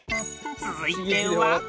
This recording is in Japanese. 続いては。